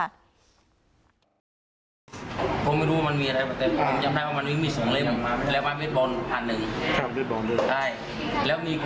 ส่วนอีกคนหนึ่งที่